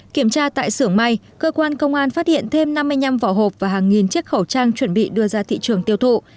kiểm tra tại xưởng may cơ quan công an phát hiện thêm năm mươi năm vỏ hộp và hàng nghìn chiếc khẩu trang chuẩn bị đưa ra thị trường tiêu thụ